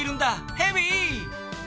ヘビー！